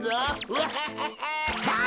ワハハハ！